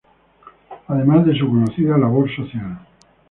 Además de su conocida labor social.